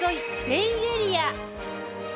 ベイエリア。